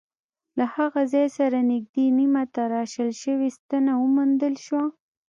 له هغه ځای سره نږدې نیمه تراشل شوې ستنه وموندل شوه.